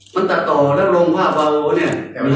มันตัดต่อแล้วลงภาพอ่าบาลแบบนี้